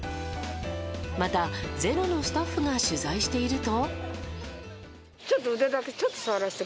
また「ｚｅｒｏ」のスタッフが取材していると。